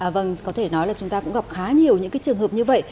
vâng có thể nói là chúng ta cũng gặp khá nhiều những cái trường hợp như vậy